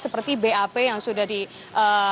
seperti bap yang sudah dilakukan